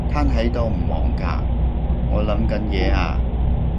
癱喺度唔忙㗎？我諗緊嘢呀